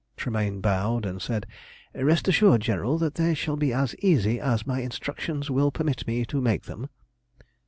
Tremayne bowed and said "Rest assured, General, that they shall be as easy as my instructions will permit me to make them."